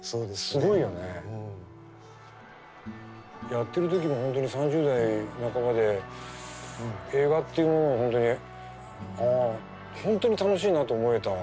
やっている時も本当に３０代半ばで映画っていうものを本当にああ本当に楽しいなと思えた。